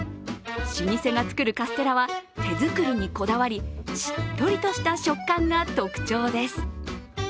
老舗が作るカステラは手作りにこだわり、しっとりとした食感が特徴です。